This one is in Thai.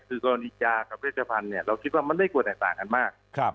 คือกรณีจากับเทพภัณฑ์เราคิดว่ามันไม่กลัวแตกต่างกันมาก